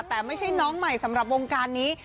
แต่ไม่ใช่น้องใหม่สำหรับวงการนี้